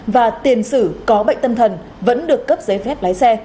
và tiền sử có bệnh tâm thần vẫn được cấp giấy phép lái xe